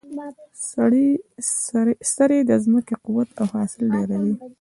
سرې د ځمکې قوت او حاصل ډیروي.